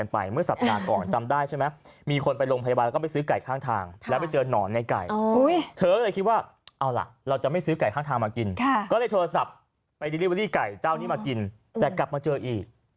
ไปดิลิเวอรี่ไก่เจ้านี่มากินแต่กลับมาเจออีก